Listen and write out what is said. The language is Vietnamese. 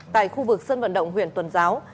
tại khu vực sân vận động huyện tuần giáo